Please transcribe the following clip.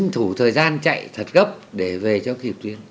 thủ thời gian chạy thật gấp để về cho kịp tuyến